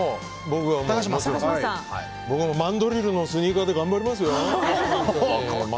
僕もマンドリルのスニーカーで頑張りますよ！